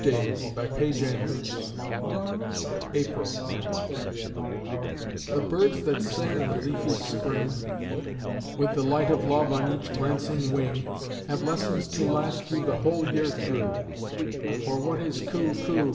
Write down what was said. Calhoun dies, 1850_ April The birds that sing in the leafy Spring, With the light of love on each glancing wing, Have lessons to last you the whole year through; For what is "Coo! coo!